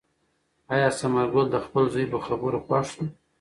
آیا ثمر ګل د خپل زوی په خبرو خوښ شو؟